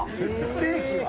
ステーキは？